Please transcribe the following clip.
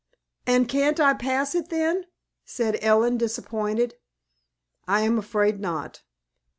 "And can't I pass it, then?" said Ellen, disappointed. "I am afraid not."